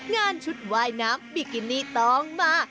งานชุดว่ายน้ำบิกินี่ต้องมา